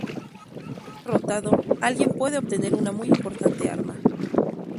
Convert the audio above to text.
Si es derrotado, ¡alguien puede obtener una muy importante arma!